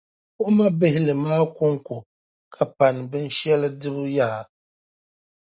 o ma bihili maa kɔŋko ka pani binshɛli dibu yaha.